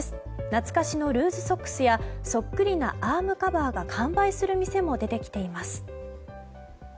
懐かしのルーズソックスやそっくりなアームカバーが完売する店も出てきています。